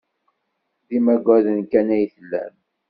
D imaggaden kan ay tellam.